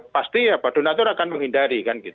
pasti donator akan menghindari